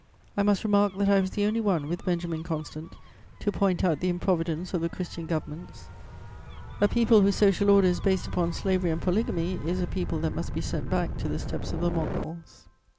I must remark that I was the only one, with Benjamin Constant, to point out the improvidence of the Christian governments: a people whose social order is based upon slavery and polygamy is a people that must be sent back to the steppes of the Mongols.